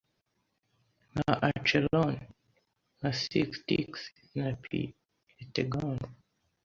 Nka Acheron nka Styx nka Phlegethon